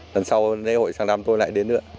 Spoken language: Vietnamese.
lần sau ngày hội sáng năm tôi lại đến nữa